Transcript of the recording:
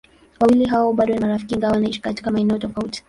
Wawili hao bado ni marafiki ingawa wanaishi katika maeneo tofauti.